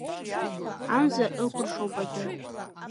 Амза ықәыршоуп адәы…